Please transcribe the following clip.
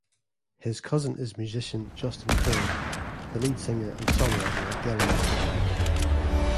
His cousin is musician Justin Currie, the lead singer and songwriter of Del Amitri.